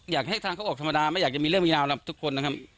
อยากให้ทางเขาออกธรรมดาไม่อยากจะมีเรื่องมีราวกับทุกคนนะครับ